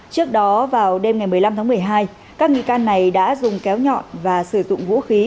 trước đó vào đêm ngày một mươi năm tháng một mươi hai các nghi can này đã dùng kéo nhọn và sử dụng vũ khí